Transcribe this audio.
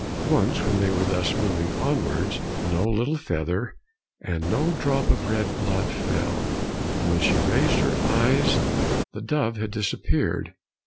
Once when they were thus moving onwards, no little feather and no drop of red blood fell, and when she raised her eyes the dove had disappeared.